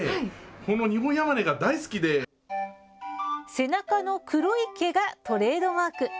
背中の黒い毛がトレードマーク。